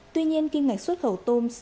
tuy nhiên kinh ngạch xuất khẩu tôm